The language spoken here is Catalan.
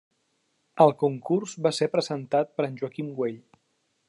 El Concurs va ser presentat per en Joaquim Güell.